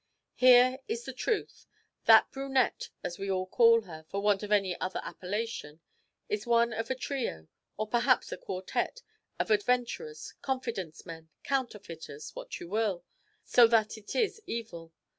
Here is the truth: That brunette, as we all call her, for want of any other appellation, is one of a trio, or perhaps a quartet, of adventurers, confidence men, counterfeiters, what you will, so that it is evil.